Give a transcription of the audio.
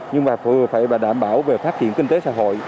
nhưng mà vừa phải đảm bảo phát triển kinh tế xã hội